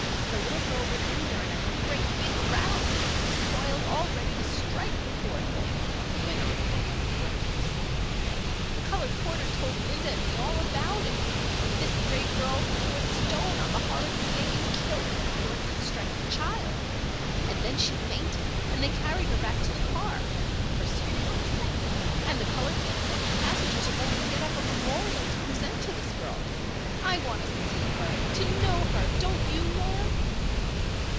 The little girl was in there and a great, big rattlesnake was coiled all ready to strike the poor little thing," went on Bess, breathlessly. "The colored porter told Linda and me all about it. This brave girl threw a stone on the horrid snake and killed it before it could strike the child. And then she fainted and they carried her back to the car," pursued Bess. "And the colored man says the passengers are going to get up a memorial to present to this girl. I want to see her to know her. Don't you, Nan?"